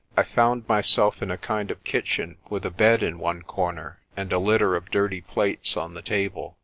I found myself in a kind of kitchen with a bed in one corner, and a litter of dirty plates on the table.